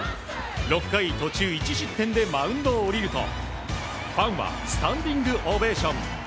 ６回途中１失点でマウンドを降りるとファンはスタンディングオベーション。